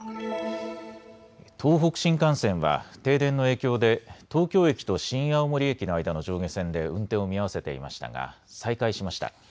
東北新幹線は停電の影響で東京駅と新青森駅の間の上下線で運転を見合わせていましたが再開しました。